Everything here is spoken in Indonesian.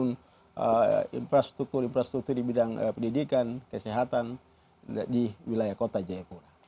dan juga kita membangun infrastruktur infrastruktur di bidang pendidikan kesehatan di wilayah kota jayapura